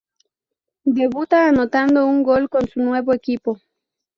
Debuta anotando un gol con su nuevo equipo.